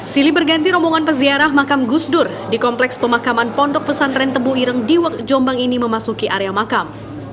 sili berganti rombongan peziarah makam gusdur di kompleks pemakaman pondok pesantren tebu ireng di jombang ini memasuki area makam